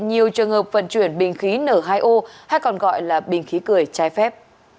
nhiều trường hợp vận chuyển bình khí nở hai ô hay còn gọi là bình khí cười trái phép